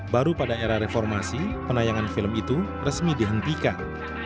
baru pada era reformasi penayangan film itu resmi dihentikan